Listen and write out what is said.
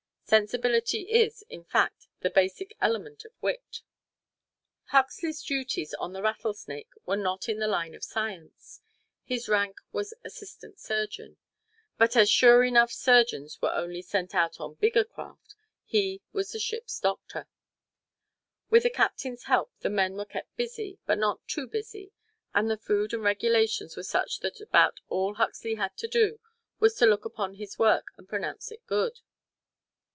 Sensibility is, in fact, the basic element of wit. Huxley's duties on the "Rattlesnake" were not in the line of science. His rank was assistant surgeon; but as sure enough surgeons were only sent out on bigger craft, he was this ship's doctor. With the captain's help the men were kept busy, but not too busy, and the food and regulations were such that about all Huxley had to do was to look upon his work and pronounce it good.